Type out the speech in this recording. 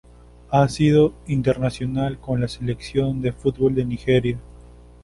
Ha sido internacional con la Selección de fútbol de Nigeria.